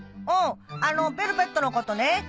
うんあのベルベットのことね」